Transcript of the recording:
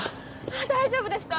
大丈夫ですか？